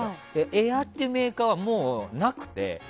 エアーっていうメーカーはもうなくて。